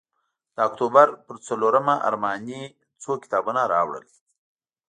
د اکتوبر پر څلورمه ارماني څو کتابه راوړل.